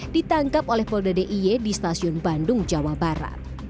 ditangkap oleh polda d i e di stasiun bandung jawa barat